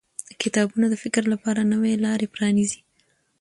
کتابونه د فکر لپاره نوې لارې پرانیزي